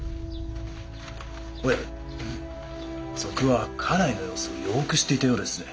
賊は家内の様子をよく知っていたようですぜ。